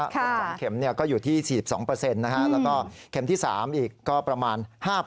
จามเข็มเนี่ยก็อยู่ที่๔๒นะเหมือนก็ที่๓อีกก็ประมาณ๕